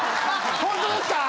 ホントですか？